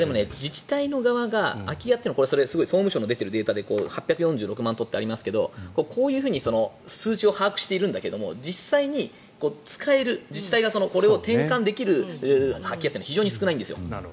自治体の側が空き家って総務省のデータで８４６万棟とありますがこういうふうに数値は把握しているんだけども実際に使える自治体がこれを転換できる空き家って非常に少ないんですよ。